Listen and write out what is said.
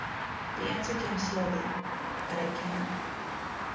The answer came slowly, but it came.